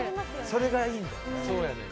それがいいんだよね。